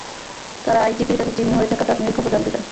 তাঁরা আইজিপির কাছে জিম্মি হয়ে থাকা তাঁর মেয়ের খবর জানতে চান।